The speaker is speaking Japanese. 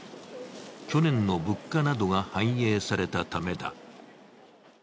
去年の物価などが反映されたためだ。